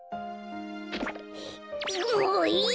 もういいよ！